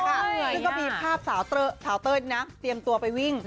ใช่ก็มีภาพสาวเต้อสาวเต้นนักเตรียมตัวไปวิ่ง